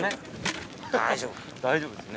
大丈夫。